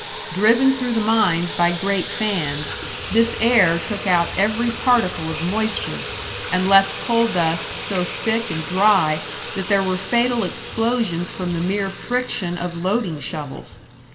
Driven through the mines by great fans, this air took out every particle of moisture, and left coal dust so thick and dry that there were fatal explosions from the mere friction of loading shovels.